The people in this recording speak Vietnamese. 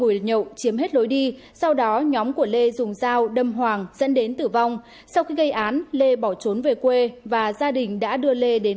xin chào và hẹn gặp lại trong các video tiếp theo